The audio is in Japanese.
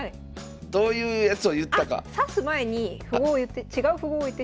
どういうやつを言ったか。